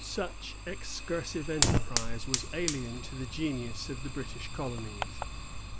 Such excursive enterprise was alien to the genius of the British colonies.